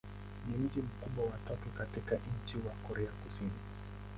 Ni mji mkubwa wa tatu katika nchi wa Korea Kusini.